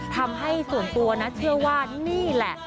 ทำให้ส่วนตัวนะเชื่อว่านี่แหละ